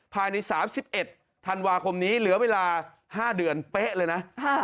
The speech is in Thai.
ภายใน๓๑ธันวาคมนี้เหลือเวลา๕เดือนเป๊ะเลยนะ